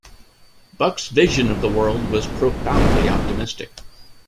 Bucke's vision of the world was profoundly optimistic.